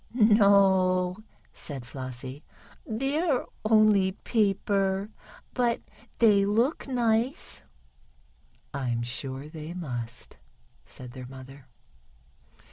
"No," said Flossie, "they're only paper, but they look nice." "I'm sure they must," said their mother.